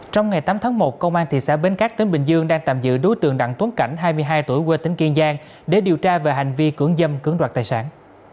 trong ngày tám tháng một công an thị xã bến cát tỉnh bình dương đang tạm giữ đối tượng đặng tuấn cảnh hai mươi hai tuổi quê tỉnh kiên giang để điều tra về hành vi cưỡng dâm cưỡng đoạt tài sản